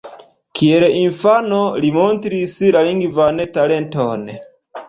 Kiel infano li montris lingvan talenton.